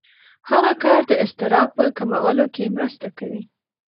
هغه کار د اضطراب په کمولو کې مرسته کوي.